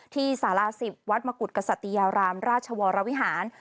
ที่สาลาสิบวัดมกุฎกษัตริยารามราชวรวิหาร